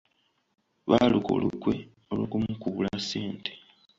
Baaluka olukwe olw'okumukuula ssente.